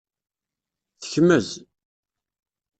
Tekmez.